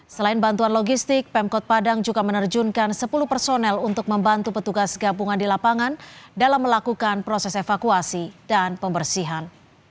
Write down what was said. selain bantuan logistik pemkot padang juga menerjunkan sepuluh personel untuk membantu petugas gabungan di lapangan dalam melakukan proses evakuasi dan pembersihan